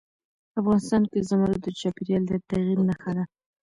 افغانستان کې زمرد د چاپېریال د تغیر نښه ده.